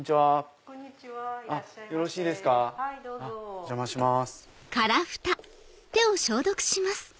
お邪魔します。